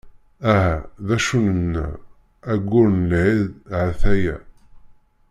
Aha! D acu nenna, aggur n lɛid ha-t-aya.